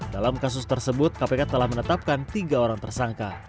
dalam kasus tersebut kpk telah menetapkan tiga orang tersangka